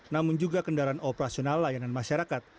namun juga kendaraan operasional layanan masyarakat